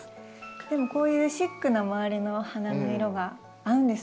でもこういうシックな周りの花の色が合うんですね。